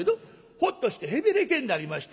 ホッとしてへべれけになりましてね。